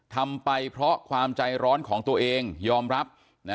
ทำไปเพราะความใจร้อนของตัวเองยอมรับ